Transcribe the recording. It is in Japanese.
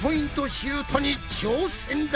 シュートに挑戦だ！